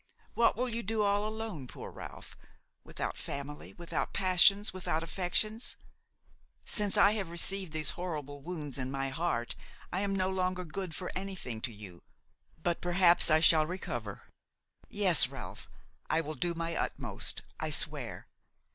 What will you do all alone, poor Ralph, without family, without passions, without affections? Since I have received these horrible wounds in my heart I am no longer good for anything to you; but perhaps I shall recover. Yes, Ralph, I will do my utmost, I swear.